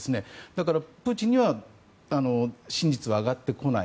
だから、プーチンには真実は上がってこない。